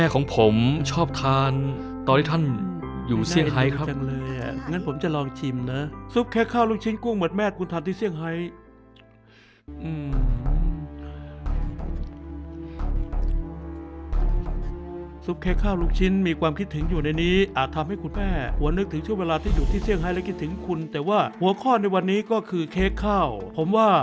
ก็ดันมากเลยครับ